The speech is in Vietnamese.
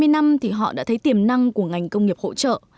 trong một mươi năm thì họ đã thấy tiềm năng của ngành công nghiệp hỗ trợ